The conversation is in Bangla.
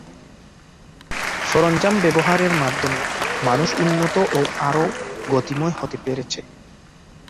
সরঞ্জাম ব্যবহারের মাধ্যমে মানুষ উন্নত ও আরও গতিময় হতে পেরেছে।